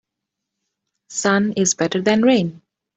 Sun is better than rain.